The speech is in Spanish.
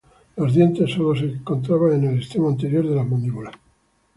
Los dientes sólo se encontraban en el extremo anterior de las mandíbulas.